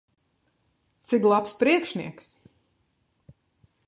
Cik labs priekšnieks!